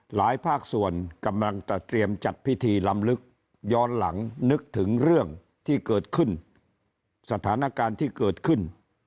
ภาคส่วนกำลังจะเตรียมจัดพิธีลำลึกย้อนหลังนึกถึงเรื่องที่เกิดขึ้นสถานการณ์ที่เกิดขึ้น